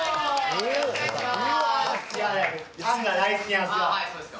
よろしくお願いします。